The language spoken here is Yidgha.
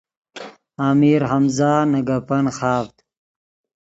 امیر ہمزہ نے گپن خاڤد